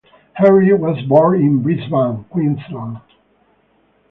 Henry was born in Brisbane, Queensland.